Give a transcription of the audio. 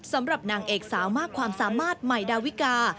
สำหรับนางเอกสาวมากความสามารถใหม่ดาวิกา